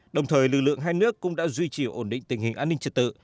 đồng thời lực lượng hai nước cũng đã duy trì ổn định tình hình an ninh trật tự